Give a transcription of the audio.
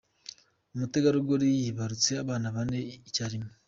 Umutegarugori yibarutse abana bane icyarimwe